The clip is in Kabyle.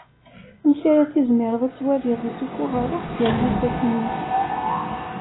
Amek ara tizmireḍ ad t-waliḍ issufuɣ ṛṛuḥ gar yifassen-ik?